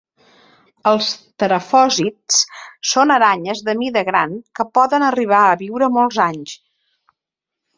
Els terafòsids són aranyes de mida gran que poden arribar a viure molts anys.